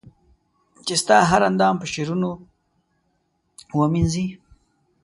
چي ستا هر اندام په شعرونو و مېنځنې